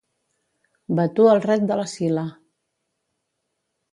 Vatua el ret de la Sila!